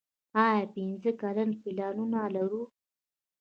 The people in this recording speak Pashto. آیا پنځه کلن پلانونه لرو؟